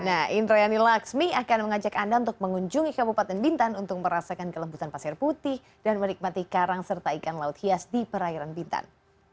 nah indrayani laksmi akan mengajak anda untuk mengunjungi kabupaten bintan untuk merasakan kelembutan pasir putih dan menikmati karang serta ikan laut hias di perairan bintan